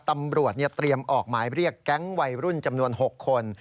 ตำรวจเตรียมออกหมายเรียกแก๊งวัยรุ่นจำนวน๖คน